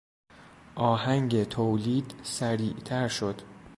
آهنگ تولید سریعتر شد.